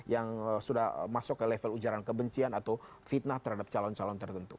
yang sudah masuk ke level ujaran kebencian atau fitnah terhadap calon calon tertentu